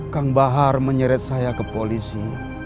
kang bahar menyeret saya ke polisi